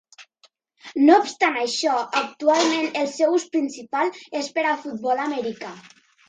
No obstant això, actualment el seu ús principal és per al futbol americà.